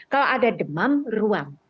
kalau ada demam ruam